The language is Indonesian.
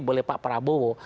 boleh pak prabowo